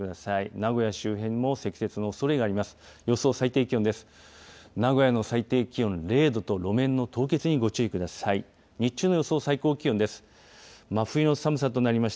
名古屋周辺も積雪のおそれがあります。